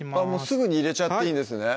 すぐに入れちゃっていいんですね